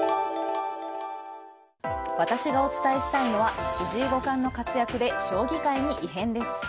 私がお伝えしたいのは藤井五冠の活躍で将棋界に異変です。